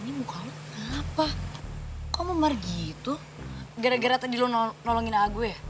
ini muka lo kenapa kok memar gitu gara gara tadi lo nolongin aku ya